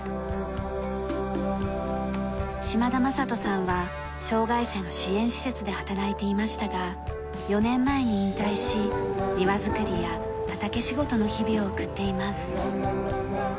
嶋田雅人さんは障害者の支援施設で働いていましたが４年前に引退し庭づくりや畑仕事の日々を送っています。